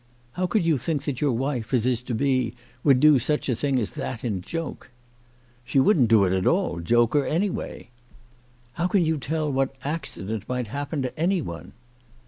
How could you think that your wife, as is to be, would do such a thing as that in joke ?"" She wouldn't do it at all ; joke or anyway." " How can you tell what accident might happen to anyone